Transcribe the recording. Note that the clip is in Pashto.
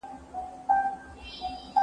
خلګو په ازاد بازار کي پانګونه کوله.